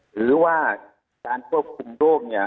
หรือว่าส่วนควบคุมโรค